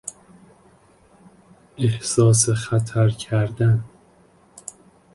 احساس خطر کردن